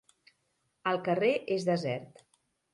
El carrer és desert.